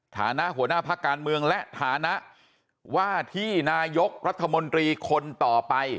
ฐานะหัวหน้าพักการเมืองและฐานะว่าที่นายกรัฐมนตรีคนต่อไป